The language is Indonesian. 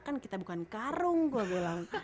kan kita bukan karung gue bilang